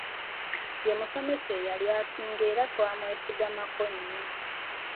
Ye musomesa eyali asinga era twamwesigamangako nnyo.